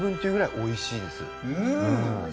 おいしいです。